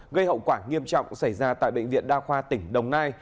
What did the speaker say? gây hậu quả nghiêm trọng xảy ra tại bệnh viện đa khoa tỉnh đồng nai